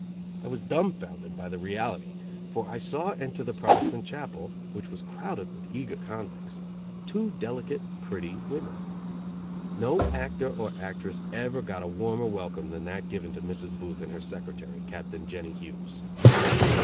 I was dumbfounded by the reality, for I saw enter the Protestant chapel, which was crowded with eager convicts, two delicate, pretty women. No actor or actress ever got a warmer welcome than that given to Mrs. Booth and her secretary, Captain Jennie Hughes.